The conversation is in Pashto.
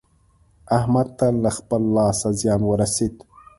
احمد ته له خپله لاسه زيان ورسېد.